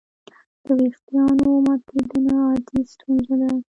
د وېښتیانو ماتېدنه عادي ستونزه ده.